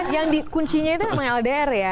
yang di kuncinya itu memang ldr ya